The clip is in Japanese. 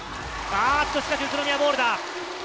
しかし宇都宮ボールだ。